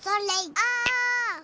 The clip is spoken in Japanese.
あ！